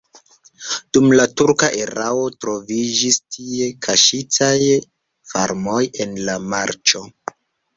Dum la turka erao troviĝis tie kaŝitaj farmoj en la marĉo.